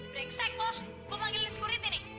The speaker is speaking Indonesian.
brengsek lo gue manggilin sekuriti nih